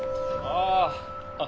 ああ。